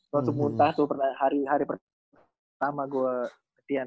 masuk muntah tuh hari pertama gue latihan